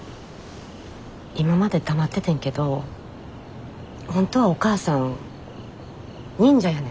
今まで黙っててんけど本当はおかあさん忍者やねん。